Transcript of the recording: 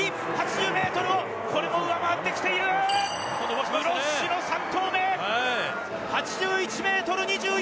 ８０ｍを、これも上回ってきている室伏の３投目。